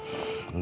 mau nengok akang